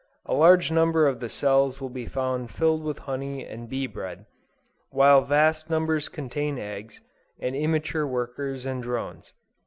A large number of the cells will be found filled with honey and bee bread; while vast numbers contain eggs, and immature workers and drones.